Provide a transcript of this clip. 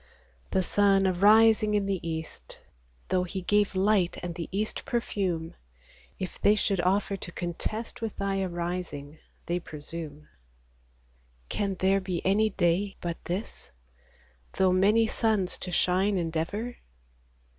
The sun arising in the east, Though he gave light, and the east perfume, If they should offer to contest With Thy arising, they presume. Can there be any day but this, Though many suns to shine endeavor